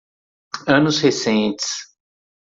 Anos recentes